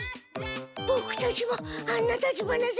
ボクたちもあんな立花先輩